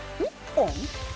１本？